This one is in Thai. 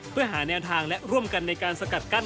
เพื่อหาแนวทางและร่วมกันในการสกัดกั้น